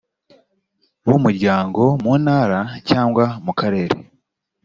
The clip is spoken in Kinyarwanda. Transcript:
b umuryango mu ntara cyangwa mukarere